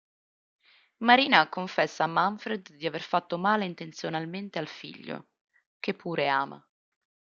Marina confessa a Manfred di aver fatto male intenzionalmente al figlio che pure ama.